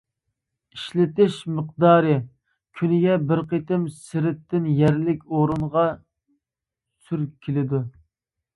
ئىشلىتىش مىقدارى: كۈنىگە بىر قېتىم سىرتتىن يەرلىك ئورۇنغا سۈركىلىدۇ.